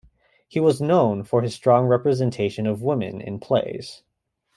He was known for his strong representation of women in plays.